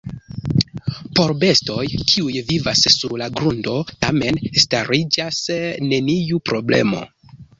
Por bestoj, kiuj vivas sur la grundo, tamen stariĝas neniu problemo.